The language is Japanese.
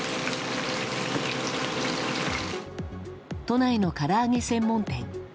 都内のから揚げ専門店。